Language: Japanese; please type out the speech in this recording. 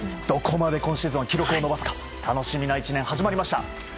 どこまで今シーズンは記録を伸ばすか楽しみな１年始まりました。